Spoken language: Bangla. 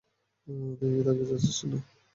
তুই তাকিয়ে আছিস কেন?